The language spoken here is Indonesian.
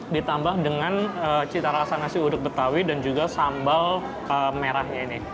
ditambah dengan cita rasa nasi uduk betawi dan juga sambal merahnya ini